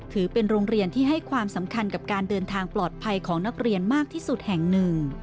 ถือเป็นโรงเรียนที่ให้ความสำคัญกับการเดินทางปลอดภัยของนักเรียนมากที่สุดแห่งหนึ่ง